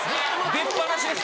出っぱなしです